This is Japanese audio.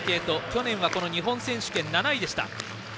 去年は日本選手権７位でした。